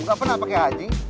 enggak pernah pakai haji